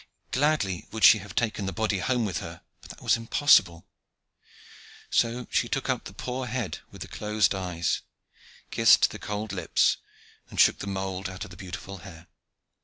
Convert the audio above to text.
Gladly would she have taken the body home with her; but that was impossible; so she took up the poor head with the closed eyes, kissed the cold lips, and shook the mould out of the beautiful hair.